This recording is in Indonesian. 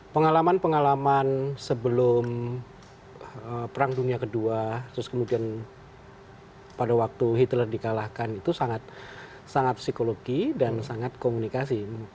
pengalaman pengalaman sebelum perang dunia ii terus kemudian pada waktu hitler dikalahkan itu sangat psikologi dan sangat komunikasi